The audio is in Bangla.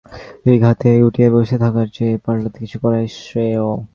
রিক, হাতে-হাত গুটিয়ে বসে থাকার চেয়ে পাগলাটে কিছু করাই শ্রেয়।